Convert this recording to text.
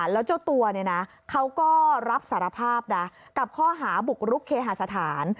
แล้วเจ้าตัวเนี่ยนะเขาก็รับสารภาพนะกับข้อหาบุกรุกเคหาสถาน